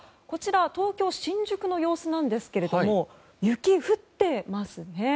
こちら、東京・新宿の様子なんですけども雪、降ってますね。